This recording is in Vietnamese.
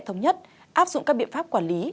thống nhất áp dụng các biện pháp quản lý